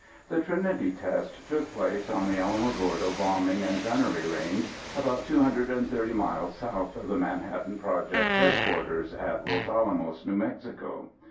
The Trinity test took place on the Alamogordo Bombing and Gunnery Range, about 230 miles south of the Manhattan Project's headquarters at Los Alamos, New Mexico.